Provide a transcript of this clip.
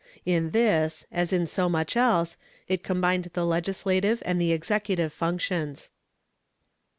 In this, as in so much else, it combined the legislative and the executive functions.